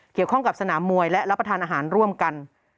เกี่ยวข้องกับสนามมวยและรับประทานอาหารร่วมกัน